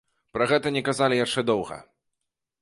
Пра гэта не казалі яшчэ доўга.